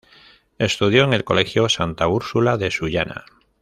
Estudió en el Colegio Santa Úrsula de Sullana.